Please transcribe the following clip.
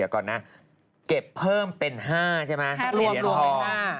เก็บเพิ่มเป็นห้าใช่ไหม